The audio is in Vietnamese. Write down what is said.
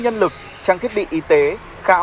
nhân lực trang thiết bị y tế khám